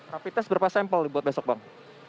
rapid test berapa sampel dibuat besok bang